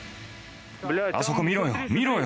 あそこ見ろよ、見ろよ。